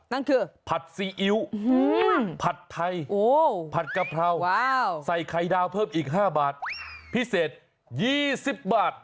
นั่นคือผัดซีอิ๊วผัดไทยผัดกะเพราใส่ไข่ดาวเพิ่มอีก๕บาทพิเศษ๒๐บาท